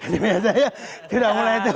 biasanya udah mulai itu